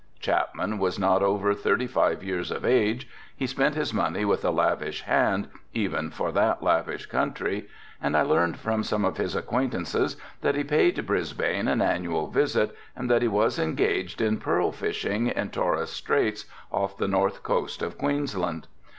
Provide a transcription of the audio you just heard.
Chapman was not over thirty five years of age, he spent his money with a lavish hand, even for that lavish country, and I learned from some of his acquaintances that he paid Brisbane an annual visit, and that he was engaged in pearl fishing in Torres Straits, off the north coast of Queensland.